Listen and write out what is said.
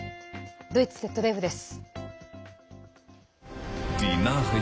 ドイツＺＤＦです。